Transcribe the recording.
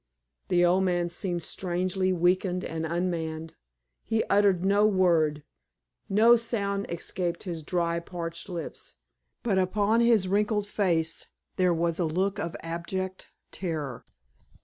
The old man seemed strangely weakened and unmanned. He uttered no word; no sound escaped his dry, parched lips; but upon his wrinkled face there was a look of abject terror.